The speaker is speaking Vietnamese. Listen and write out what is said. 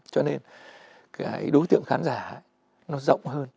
cho nên cái đối tượng khán giả nó rộng hơn